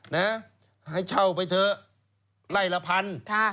นะให้เช่าไปเถอะไล่ละพันค่ะ